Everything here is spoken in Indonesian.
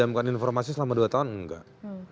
saya menundiakan informasi selama dua tahun enggak